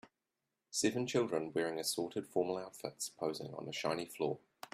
Seven children wearing assorted formal outfits posing on a shiny floor.